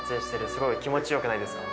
すごい気持ちよくないですか？